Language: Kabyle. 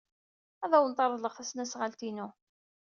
Ad awent-reḍleɣ tasnasɣalt-inu.